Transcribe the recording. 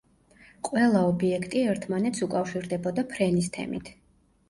ყველა ობიექტი ერთმანეთს უკავშირდებოდა ფრენის თემით.